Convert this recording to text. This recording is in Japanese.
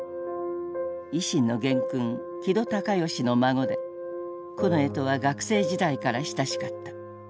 維新の元勲木戸孝允の孫で近衛とは学生時代から親しかった。